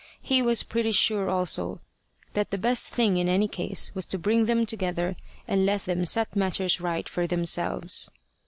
He was pretty sure also that the best thing in any case was to bring them together, and let them set matters right for themselves.